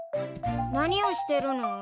何をしてるの？